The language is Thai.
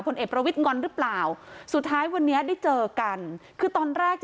เอกประวิทย์งอนหรือเปล่าสุดท้ายวันนี้ได้เจอกันคือตอนแรก